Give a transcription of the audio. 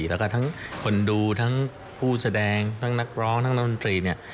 แล้วก็ทั้งคนดูทั้งผู้แสดงทั้งนักร้องทั้งนักดนตรีเนี่ย